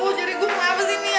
oh jari gue mengalami sini ya